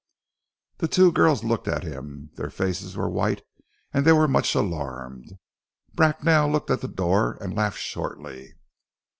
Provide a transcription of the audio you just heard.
The two girls looked at him, their faces were white and they were much alarmed. Bracknell looked at the door and laughed shortly.